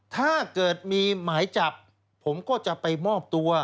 ถ้าเกิดมีหมายจับผมก็จะไปมอบตัว